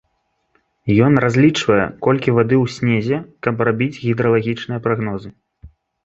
Ён разлічвае, колькі вады ў снезе, каб рабіць гідралагічныя прагнозы.